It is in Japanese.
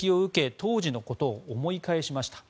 当時のことを思い返しました。